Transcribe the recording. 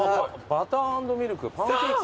バター＆ミルク。